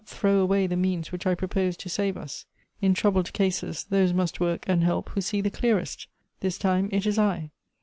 throw away the means which I propose to save us. In troubled cases those must work and help who see the clearest — this time it is I.